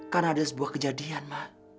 karena ada sebuah kejadian ma